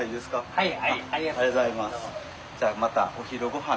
はい。